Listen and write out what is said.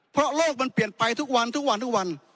เพราะโลกมันเปลี่ยนไปทุกวันทุกวันทุกวัน